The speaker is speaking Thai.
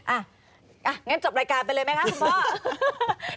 อ่ะงั้นจบรายการไปเลยไหมคะคุณพ่อ